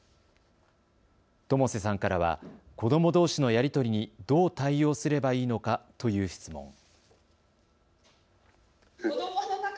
友瀬さんからは子どもどうしのやり取りにどう対応すればいいのか？という質問。